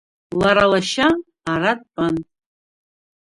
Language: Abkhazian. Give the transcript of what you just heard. Лара лашьа ара дтәан.